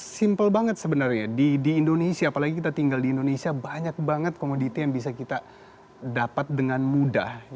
dan simple banget sebenarnya di indonesia apalagi kita tinggal di indonesia banyak banget komoditi yang bisa kita dapat dengan mudah